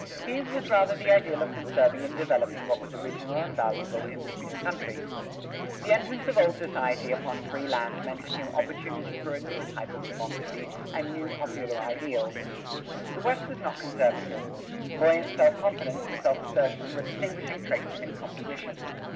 His was rather the ideal of conserving and developing what was original and valuable in this new country. The entrance of old society upon free lands meant to him opportunity for a new type of democracy and new popular ideals. The West was not conservative: buoyant self confidence and self assertion were distinguishing traits in its composition.